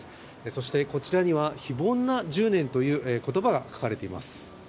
そしてこちらには、非凡な１０年という言葉が書かれています。